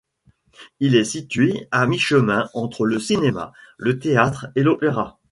Il est situé à mi-chemin entre le cinéma, le théâtre et l'opéra.